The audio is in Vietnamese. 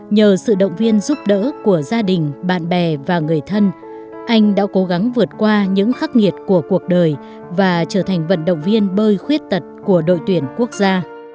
nhờ sự động viên giúp đỡ của gia đình bạn bè và người thân anh đã cố gắng vượt qua những khắc nghiệt của cuộc đời và trở thành vận động viên bơi khuyết tật của đội tuyển quốc gia